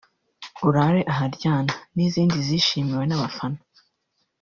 ‘Urare aharyana’ n’izindi zishimiwe n’abafana